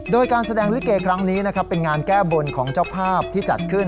โดยการแสดงลิเกครั้งนี้นะครับเป็นงานแก้บนของเจ้าภาพที่จัดขึ้น